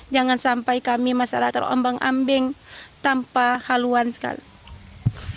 jangan sampai kami masalah terombang ambing tanpa haluan sekali